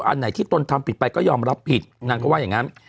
อันไหนที่ตนทำผิดไปก็ยอมรับผิดนางก็ว่าอย่างนั้น